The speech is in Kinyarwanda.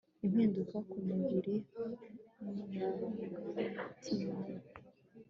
impinduka ku mu biri, mu murangamutimano